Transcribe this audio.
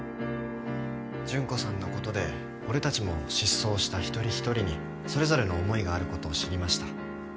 純子さんのことで俺たちも失踪した一人一人にそれぞれの思いがあることを知りました。